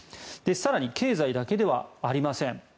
更に経済だけではありません。